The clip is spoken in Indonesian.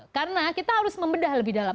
karena kita harus membedah lebih dalam